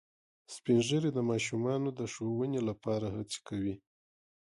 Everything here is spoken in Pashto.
سپین ږیری د ماشومانو د ښوونې لپاره هڅې کوي